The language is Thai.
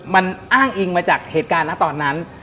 มันอ้างอิงมาจากเหตุการณ์นะตอนนั้น